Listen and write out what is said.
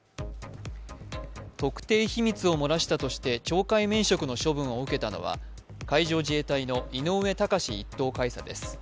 特定秘密を漏らしたとして懲戒免職の処分を受けたのは海上自衛隊の井上高志１等海佐です